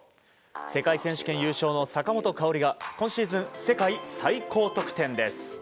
世界選手権優勝の坂本花織が今シーズン、世界最高得点です。